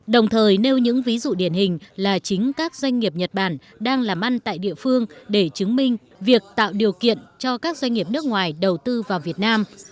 đồng thời nêu những ví dụ điển hình là chính các doanh nghiệp nhật bản đang làm ăn tại địa phương để chứng minh việc tạo điều kiện cho các doanh nghiệp nước ngoài đầu tư vào việt nam